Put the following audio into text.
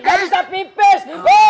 jadi saat mipis